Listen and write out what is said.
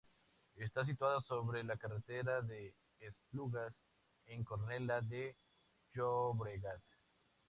Está situada sobre la Carretera de Esplugas en Cornellá de Llobregat.